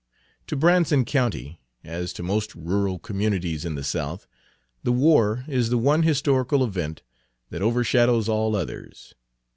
To Branson County, as to most rural communities in the South, the war is the one historical event that overshadows all others.